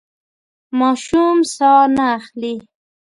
ماشوم ساه نه اخلي.